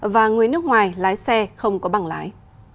và người nước ngoài lái xe không có bảng lái